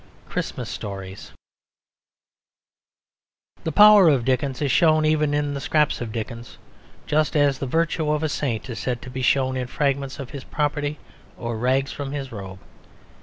CHRISTMAS STORIES The power of Dickens is shown even in the scraps of Dickens, just as the virtue of a saint is said to be shown in fragments of his property or rags from his robe.